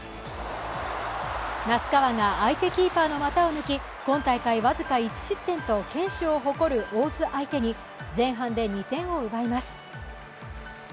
名須川が相手キーパーの股を抜き今大会僅か１失点と堅守を誇る大津相手に前半で２点を奪います。